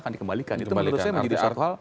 akan dikembalikan itu menurut saya menjadi satu hal